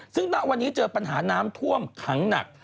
ซึ่งณวันนี้เจอปัญหาน้ำท่วมขังหนัก